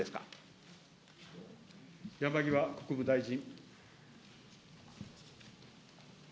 山際国務大臣。